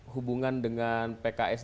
hubungan dengan pks